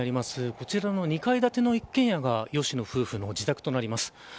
こちらの２階建ての一軒家が吉野夫婦の自宅となります。